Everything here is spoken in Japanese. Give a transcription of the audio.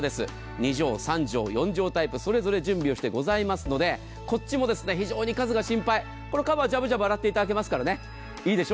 ２帖、３帖、４帖タイプそれぞれ準備をしてございますのでこっちも非常に数が心配これはカバーをじゃぶじゃぶ洗っていただけますからいいでしょ